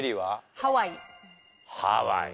ハワイ。